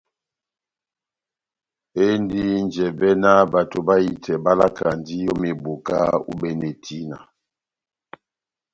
Endi njɛbɛ ná bato bahitɛ bá lakand'ó meboka u'bɛne tina.